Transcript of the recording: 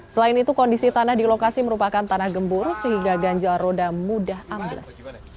selain itu kondisi tanah di lokasi merupakan tanah gembur sehingga ganjal roda mudah ambles